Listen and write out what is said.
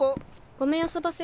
ごめんあそばせ。